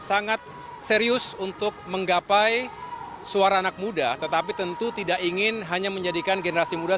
sangat serius untuk menggapai suara anak muda tetapi tentu tidak ingin hanya menjadikan generasi muda